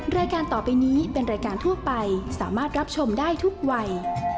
รายการต่อไปนี้เป็นรายการทั่วไปสามารถรับชมได้ทุกวัย